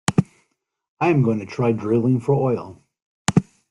I am going to try drilling for oil.